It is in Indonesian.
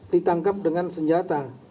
ditangkap dengan senjata